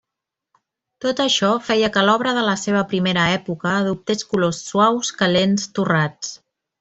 Tot això feia que l'obra de la seva primera època adoptés colors suaus, calents, torrats.